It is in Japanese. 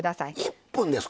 １分ですか。